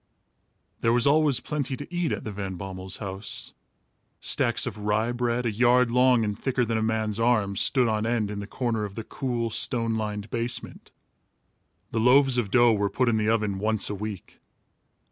There was always plenty to eat at the Van Bommels' house. Stacks of rye bread, a yard long and thicker than a man's arm, stood on end in the corner of the cool, stone lined basement. The loaves of dough were put in the oven once a week.